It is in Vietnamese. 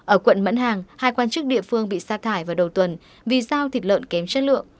ở quận mẫn hàng hai quan chức địa phương bị xa thải vào đầu tuần vì giao thịt lợn kém chất lượng